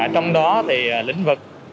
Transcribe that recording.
trong đó thì lĩnh vực